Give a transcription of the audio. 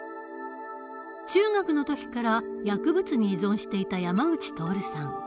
中学の時から薬物に依存していた山口徹さん。